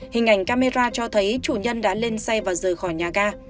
hình ảnh camera cho thấy chủ nhân đã lên xe và rời khỏi nhà ga